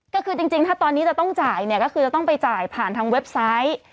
ก็คือจริงถ้าตอนนี้จะต้องจ่ายเนี่ยก็คือจะต้องไปจ่ายผ่านทางเว็บไซต์